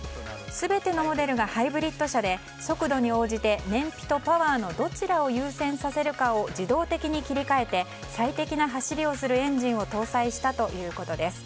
全てのモデルがハイブリット車で速度に応じて燃費とパワーのどちらを優先させるかを自動的に切り替えて最適な走りをするエンジンを搭載したということです。